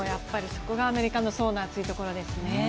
そこがアメリカの層の厚いところですね。